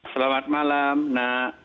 selamat malam nak